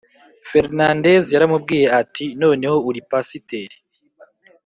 Fernandez yaramubwiye ati noneho uri pasiteri